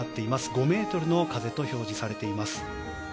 ５メートルの風と表示されています。